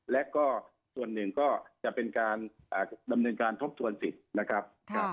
และก็ส่วนหนึ่งก็จะเป็นการดำเนินการทบทวนสิทธิ์นะครับ